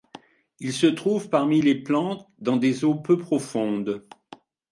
Il se trouve parmi les plantes dans des eaux peu profondes.